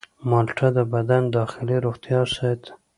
مالټه د بدن داخلي روغتیا ساتي.